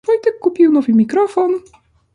Wojtek kupił nowy mikrofon.